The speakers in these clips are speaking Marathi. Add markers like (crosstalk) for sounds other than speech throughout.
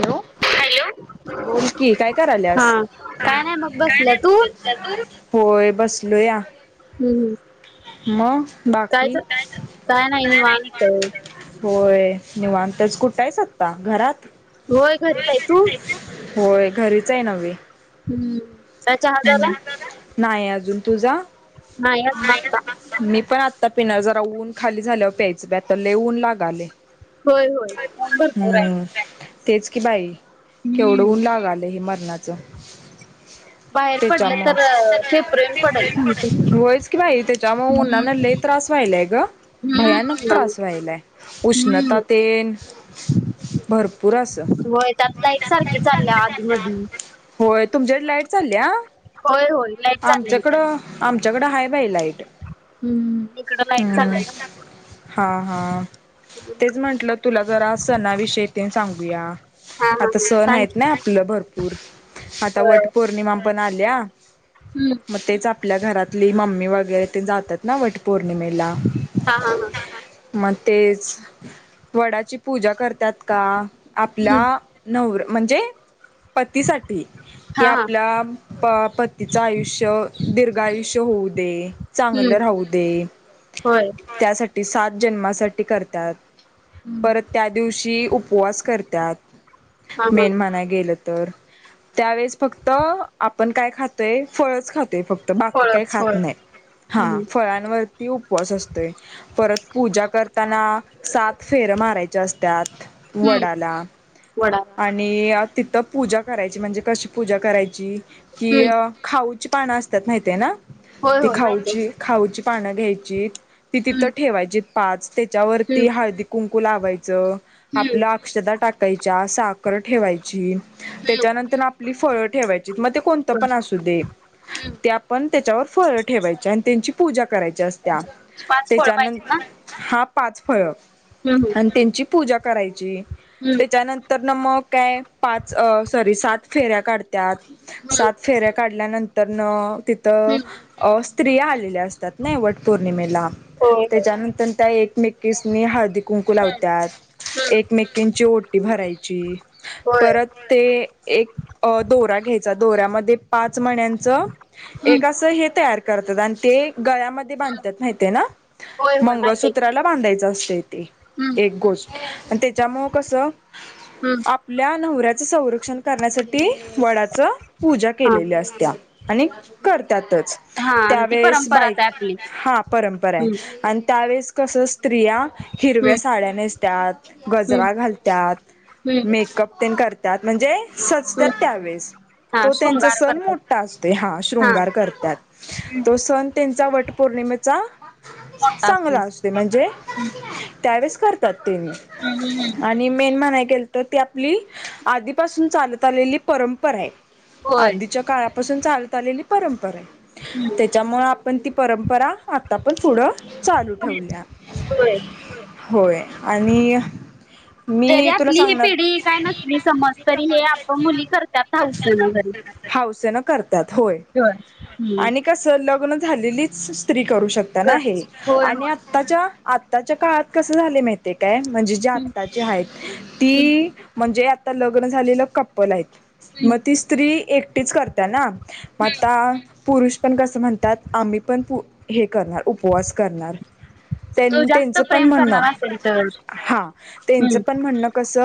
हॅलो बोल की काय कराल्यास. हा काय नाही मग बसल्या तू होय बसलोया. हम्म हम्म. मग काय बाकी. च- काय नाही निवांत होय निवांतच कुठं आहेस आत्ता घरात. होय घरीचं आहे तू. होय घरीच आहे नव्हे. हम्म. काय चहा झाला नाही अजून तुझा. नाही अजून आत्ता. मी पण आत्ता पिणार जरा ऊन खाली झाल्यावर प्यायच बाई आत्ता लयं ऊन लागालंय. होय होय ऊन भरपूर आहे हम्म तेच की बाई. केवढं हम्म ऊन लागालंय हे मरणाचं. बाहेर पडलं तेच्यामुळं तर अ, फेफरेन पडेल कोणीतरी होयच कि बाई त्याच्यामुळं हम्म उन्हान लयं. त्रास व्हायलाय ग हम्म भयानक उन्हानं. त्रास व्हायलाय हम्म उष्णता तेन. भरपूर अस. व्हय त्यात लाईट सारखी चालल्या आधी मधी. होय तुमच्याकडे लाईट चालल्या होय होय. लाईट चालली इकडे आमच्याकडं आमच्याकडं हाय बाई लाईट. हम्म इकड लाईट हम्म चालल्या ग. हा हा, तेच म्हंटलं तुला जरा आज सनाविषयी तेन सांगूया. हा हा आता हा सण सांग आहेत की ना आपलं भरपूर आता होय वट पौर्णिमा पण आल्या. हम्म. मग तेच आपल्या घरातली मम्मी वगैरे ते जातात ना वट पौर्णिमेला. हा हा हा, मग तेच वडाची पूजा करतात का हम्म आपला. नवरा म्हणजे पतीसाठी कि हा हा आपला प पती. तिचं आयुष्य दीर्घ आयुष्य होऊ दे. हम्म चांगलं राहू दे होय त्यासाठी सात जन्मासाठी करतात. हम्म परत त्या दिवशी उपवास हा करतात हा मेन म्हणा गेलं. तर त्यावेेळेस फक्त आपण काय खातोय फळच खातोय फक्त. त बाकी काही फळच फळ खात नाही हा हम्म फळांवर. ती उपवास असतोय परत पूजा करताना सात फेर मारायचे असत्यात. हम्म वडाला. वडा आणि तिथं पूजा करायची म्हणजे कशी पूजा करायची की. हम्म खाऊची पानं असतात माहितेना होय ती होय माहितीय खाऊची खाऊची पानं घ्यायची. ती हम्म तिथं ठेवायची पाच, त्याच्यावरती हम्म हळदी कुंकू लावायचं. हम्म आपल अक्षदा टाकायच्या, साखर ठेवायची, हम्म त्याच्यानंतर आ पली फळं ठेवायची, मग ते कोणंत फळ. पण असो. दे, हम्म ते आपण त्याच्यावर फळं ठेवायचे आणि त्यांची पूजा करायची ची असते आप त्यांच्याकडे पाच फळ पाहिजेत ना हां पाच फळं हम्म अन त्यांची पूजा करायची, हम्म त्याच्यानं तर ना मग काय, पाच सॉरी सात फेऱ्या काढतात, हम्म सात फेऱ्या काढल्यानंतर न तिथं हम्म अ स्त्रिया आलेल्या असतात ना, वट पौर्णिमेला, होय होय त्याच्यानंतर त्या एकमेकीसनी हाळदी कुंकू हम्म हम्म लावत्यात एकमेकींची ओटी भरायची, होय परत ते एक अ दोरा घ्यायचा, दोऱ्यामध्ये पाच मन्याचं हम्म एक अस हे तयार करतात आणि ते गळ्यामध् ते हम्म बांधत्यात माहितेना, होय होय माहितीय मंगळसूत्राला बांधायच असतेय ते हम्म एक गोष्ट अ त्याच्यामुळ कस हम्म. आपल्या नवऱ्याच संरक्षण करण्यासाठी, वडाच पूजा हा केलेल्या असत्या. आणि करत्यातच. हा आणि ती त्यावेळेस बाई, परंपराच आहे आपली हां परंपरा ये हम्म आणि त्यावेळेस तस स्त्रिया हम्म हिरव्या साड्या नेसत्यात, हम्म गजरा घालत्यात. हम्म मेकअप ते करतात, म्हणजे हम्म सजत्यात त्यावेेळेस हा त्यांचा शृंगार सण करतात मोठा असतोय हा शृंगार करत्यात, तो सण त्यांचा वट पौर्णिमेचा मोठा असतो चांगला असतोय, म्हणजे हम्म त्यावेळेस करतात तेन हम्म हम्म हम्म आणि मेन म्हणाय गेल तर ती आपली, आधीपासून चालत आलेली परंपरा ये. होय आधीच्या काळापासून चालत आलेली परंपरा य. हम्म त्यामुळ आपण ती परंपरा, आता पण पुढं चालू ठेऊया. होय होय आणि जरी मी तुला आपली ही सांगणार पिढी काय नसली, समज तरी हे आप मुली करत्यात हाउसे ने घरी. हौसेने करत्यात होय आणि कस लग्न झालेलीच स्त्री करू शकताना कर हे होय आणि होय आ ताच्या-आत्ताच्या काळात कस झालय माहितये काय म्हणजे जे हम्म, आता ती हाय हम्म, ती म्हणजे आता लग्न झालेलं कप्पल आहेत, हम्म, मग ती स्त्री एकटीच करत्यां ना, म हम्म. आता पुरुष पण कसं म्हणतात, आम्ही पण हे करणार उपवास करणार. तो जास्त त्यां-त्यांचं पण प्रेम म्हणणं करणार असेल तर (unintelligible) हां त्यांचं हम्म, पण म्हणणं कस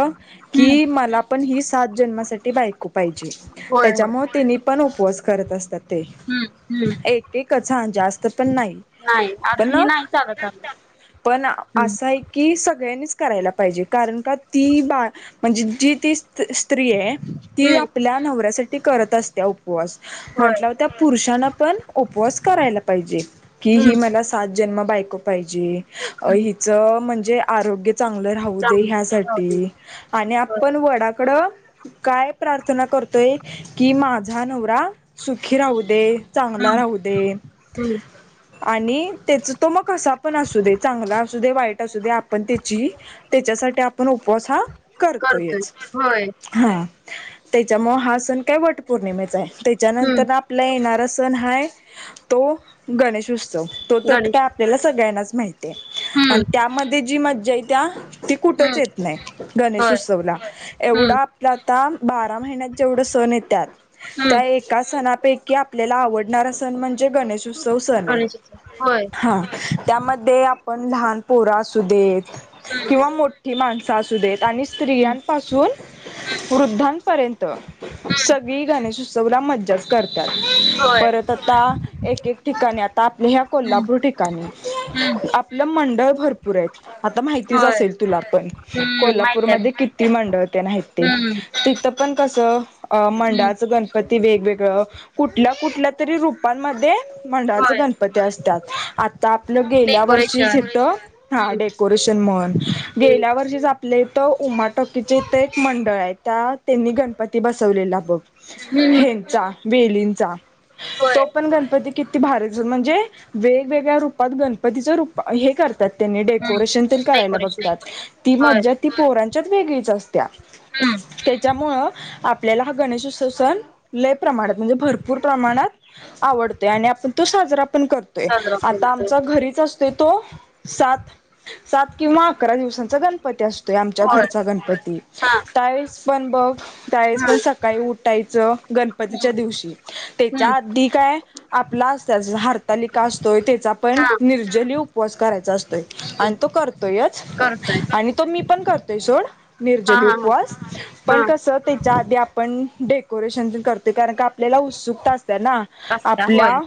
हम्म, की मला पण ही सात जन्मासाठी बायको पाहिजे होय होय त्याच्यामूळ तीनी पण उपवास करत असतात ते, हम्म, हम्म. एक तकच हां जास्त पण नाही. नाही अजून हे हॅलो? नाही चालत आलं पण ना हम्म, असंय की सगळ्यांनीच करायला पाहिजे, कारण का ती बा म्हणजे जी ती स्त्री ये ती हम्म, आपल्या नवऱ्यासाठी करत असत्या उपवास होय म्हंटल्याव त्या पुरुषांन पण उपवास करायला पाहिजे, कि ही हम्म, मला सा त जन्म बायको पाहिजे, अ हम्म. हिच म्हणजे आरोग्य चांगलं राहू दे चांगलं राहू दे. ह्यासाठी आणि होय. आपण वडाकड काय प्रार्थना करतोय की माझा नवरा सुखी राहू दे चांगला हम्म, राहू दे. हम्म. आणि त्याच तो मग कसा पण असू दे चांगला असू दे वाईट असू दे आपण त्याची तेच्यासाठी आपण उपवास हा करतोय करतोयच होय हा. त्याच्यामुळ हा सण काय वट पौर्णिमेचा आहे त्याच्यानंतर हम्म आप आपल येणारा सण हा तो गणेशउत्सव तो तर काय गणेश आपल्याला सगळ्यांनाच माहिती आहे हम्म, आणि त्यामध्ये जी मज्जा इत्या ती कुठच हम्म. येत नाही गणेश होय उत्सवला एवढा हम्म, आपला आता बा रा महीण्यात जेवड सण येत्यात हम्म. त्या एका एका सणापैकी आपल्याला आवडणारा सण म्हणजे गणेश उत्सव सन हाय गणेशाचं होय हा. त्यामध्ये आपण लहान पोर असू देत हम्म, किंवा मोठी माणसं असू देत आणि हम्म, स्त्रियांपासून हम्म. वृद्धांपर्यंत हम्म सगळी गणेशो उत्सव ला मज्जाच करत्यात होय परत आता एक एक ठिकाणी आता आपल्या ह्या हम्म कोल्हापूर ठिकाणी हम्म आपलं मंडळ भरपूर हैत. आता माहितीच होय असेल तुला पण हम्म माहित आहे कोल्हापूरमधे किती मंडळ त्यांण आहेत ते. हम्म तिथं पण कसं अ हम्म मंडळाचं गणप पती वेगवेगळ कुठल कुठल तरी रूपांमध्ये मंडळाच होय गणपती असतात आता आपलं गेल्या वर्षी डेकोरेशन तिथ हा हम्म डेकोरेशन म्हण हम्म गेल्या वर्षीच आप आपल्या हीत उमा टाकीच्या इथ एक मंडळ हाय त्या त्यांनी गणपती बसवलेला बघ हम्म हम्म, हेनचा वेलींचा तो होय पण गणपती किती भारी च म्हणजे वेगवेगळ्या रूपात गणपतीच रूप हे कर त्यात त्यांनी हम्म डेकोरेशन तेन करायला डेकोरेशन बघतात ती होय मज्जा ती पोरांच्यात वेगळीच असत्या हा त्यामुळं आपल्याला हा गणेशोत्सव सण लय प्रमाणात म्हणजे भरपूर प्रमाणात आवडतोय आणि आपण तो साजरा पण करतोय साजरा आता करतोय आमचा घरीच असतो तो सात सात किंवा अकरा दिवसांचा गणपती अस तोय आमच्या होय घरचा गणपती हा त्या वेळीस पण बघ त्यावेळेस हा पण सकाळी उठायचं हम्म गणपतीच्या दिवशी त्याच्या हम्म आधी काय आपला असताच हारतालिका असतोय त्याचा पण हा निर्जली उपवास करायचा असतोय. हम्म आणि तो करतोयच करतोय आणि तो मी पण करतोय सोड. हा निर्जली हा हा उपवास. हा कस त्याच्या आधी आपण डेकोरेशन तेन करतोय कारण का आपल्याला उत्सुकता असते ना. असता होय आपल्या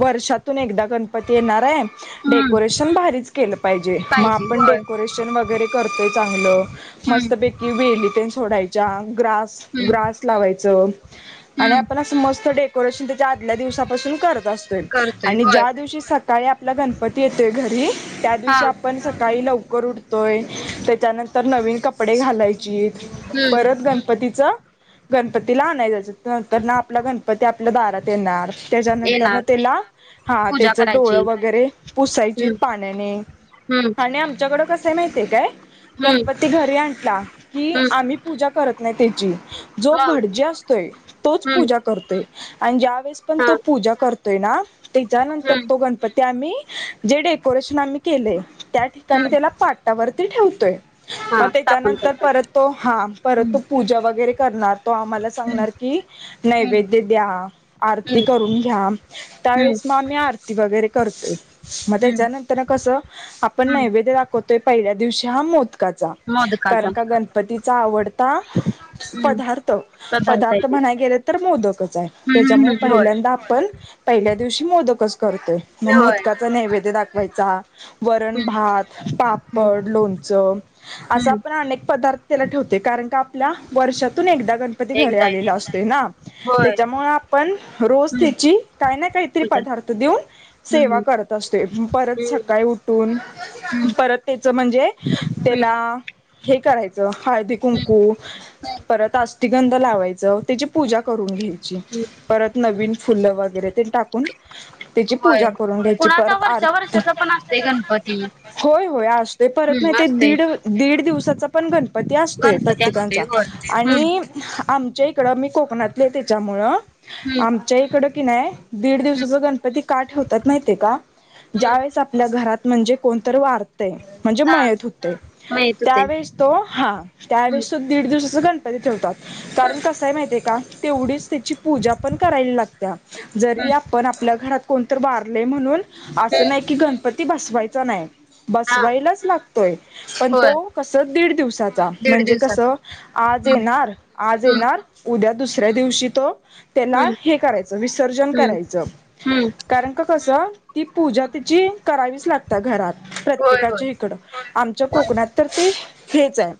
वर्षातून एकदा गणपती येणार हाय. हम्म डेकोरेशन भारीच केलं पाहिजे मग आपण डेकोरेशन वगैरे करतोय चांगलं हम्म मस्तपैकी वेली तेन सोडायच्या ग्रास हम्म ग्रास लावायच आणि हम्म आपण अस मस्त डेकोरेशन त्याचा आदल्या दिवसा पासून कर करायचा असतोय करतोय आणि होय ज्या दिवशी सकाळी आपला गणपती येतोय घरी त्या हा दिवशी आप पण सकाळी लवकर उठतोय त्याच्यानंतर नवीन कपडे घालायचीत. हम्म परत गणपतीचं गणपतीला आणाय जायचं नंतर न आपला गणपती आपल्या दारात येणार. त्याच्यानंतर न येणार तेला हा पूजा त्याच डोळ करायची वगैरे पुसायची हम्म पाण्याने. हम्म आणि आमच्याकड कस माहितीये काय हम्म गणपती घरी आणता की हम्म आम्ही करत नाही त्याची जो मग भडजी असतोय तोच हम्म पूजा करतोय आणि येऊस पर्यंत पण हा तो पूजा करतोय ना त्याच्यानंतर हम्म तो गणपती आम्ही जे डेकोरेशन आम्ही केलेय त्या ठिकाणी हम्म त्याला पाटावरती ठेवतोय. हा मग स्थापन त्याच्यानंतर करताय परत तो हा परत हम्म तो पूजा वगैरे करणार तो आम्हाला हम्म सांगणार की हम्म नैवेद्य द्या आरती हम्म करून घ्या हम्म त्यावेळेस म आम्ही आरती वगैरे करतोय मग हम्म त्याच्यानंतर कस आपण हम्म नैवद्य दाखवला होतोय पहिल्या दिवशी हा मोदकाचा मोदकाचा कारण का गणपतीचा आवडता हम्म पदार्थ. आहे पदार्थ ते म्हणाय गेले तर मोदकच आहे हम्म हम्म त्याच्यामुळे हम्म होय पहिल्यांदा आपण पहिल्या दिवशी मोदकच करतेय मग होय मोदकाचा नैवेद्य दाखवायचा. वरण, हम्म भात, हम्म पापड, लोणचं अस हम्म आपण अनेक पदार्थ त्याला ठेवते कारण की आपल्या वर्षातून एकदा गणपती घरी एकदा येते आलेला असते ना. होय त्याच्यामुळे आपण रोज हम्म त्याची काही ना काहीतरी पूजा पदार्थ देऊन सेवा हम्म करत असतोय परत हम्म सकाळी उठून हम्म हम्म परत त्याच म्हणजे हम्म त्याला हे करायच हळदी, कुंकू हम्म परत अस्थिगंध लावायच त्याची पूजा हम्म करून घ्यायची. हम्म परत नवीन फुलं वगैरे ते टाकून त्याची होय पूजा करून घ्यायची कुणाचा परत वर्षा आरती वर्षाचा पण असतोय गणपती होय, होय असतोय परत मा हम्म असतोय दीड, दीड दिवसाचा पण गणपती असतोय. गणपती असतोय तिकनच्या होय हम्म आणि आमच्या इकडं मी कोकणातले त्याच्यामुळं हम्म आमच्या इकडं किनाय दीड दिवसाच हम्म गणपती का ठेवतात माहितेय का ज्या हम्म वेळेस आपल्या घरात म्हणजे कोण तर वारतंय म्हणजे हा मयत होतंय माहित होते त्यावेळेस तो हा त्या हम्म दीड दिवसाचा गणपती ठेवतात. कारण हम्म कसाय माहितय का तेवढीच त्याची पूजा पण करायला लागत्या. जरी हम्म आपण आपल्या घरात कोणतर वारलय म्हणून असं हम्म नाही कि गणपती बसवायचा नाही. हा बसवायलाच लागतोय पण तो होय कस दीड दिवसाचा दीड म्हणजे कस दिवसाचा आज हम्म येणार, आज हम्म येणार उद्या दुसऱ्या दिवशी तो त्याला हम्म हे करायचं विसर्जन हम्म करायचं हम्म कारण की कस ती पूजा हम्म. तिची करावीच लागते घरात होय होय प्रत्येकाच्या इकडं आमच्या हम्म कोकणात तर ते हेच आहे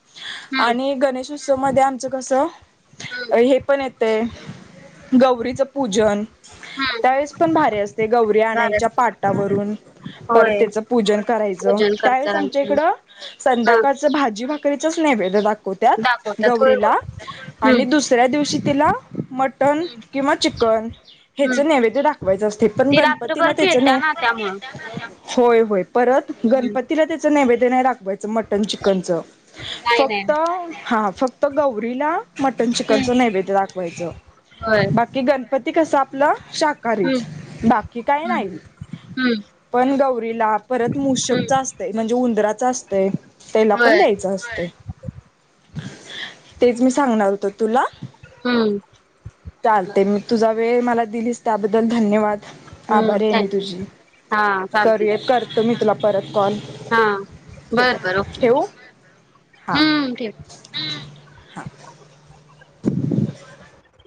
हम्म आणि गणेशोत्सव मध्ये आमचं कसं हम्म अ हे पण येतेय गौरीचं पूजन. हम्म त्यावेेळेस पण भारी असतय गौरी भारी आणायच्या असते पाटावरून. परत होय त्याचं पूजन करायचं पूजन त्यावेेळेस आमच्या करतानाचं इकडं हा संध्याकाळच भाजी भाकरीचाच नैवेद दाखवत्यात दाखवतात होय होय गौरीला आणि हम्म दुसऱ्या दिवशी तिला मटण हम्म किंवा चिकन ह्याच हम्म नैवद्य दाखवायच असतय पण ती गणपतीला रात्रभर त्याच खेळत्या नाही ना त्यामुळं होय, होय परत हम्म गणपतीला त्याचं नैवेद्य नाही दाखवायचं मटन, चिकनच नाही नाही फक्त नाही. हा फक्त गौरीला मटन, चिकनचं हम्म नैवेद्य दाखवायचं. होय कि गणपती कस आपलं शाकाहारीच हम्म बाकी काय हम्म नाही. हम्म पण गौरीला परत मुशकचा हम्म असतय म्हणजे उंदराच असतंय त्याला पण होय द्यायच असतय तेच मी सांगणार होतो तुला हम्म.. चालतय, म तुझा वेळ मला दिलीस, त्याबद्दल धन्यवाद! हम्म आभारी आहे ते मी तुझी, हा चालते करूया, करतो मी तुला परत कॉल. हा ठीक बर बर आहे, ओके ठेवू? हा. हम्म ठेव. हा, हा.